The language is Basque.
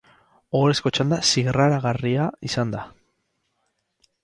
Ohorezko txanda zirraragarria izan da.